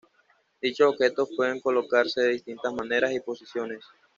Dichos objetos pueden colocarse de distintas maneras y posiciones.